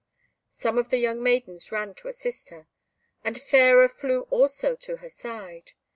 Some of the young maidens ran to assist her, and Fairer flew also to her side.